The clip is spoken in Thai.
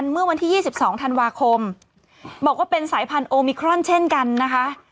เมื่อวันที่๒๒ธันวาคมบอกว่าเป็นสายพันธุมิครอนเช่นกันนะคะ